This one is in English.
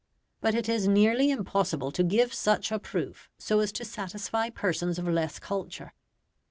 But it is nearly impossible to give such a proof so as to satisfy persons of less culture.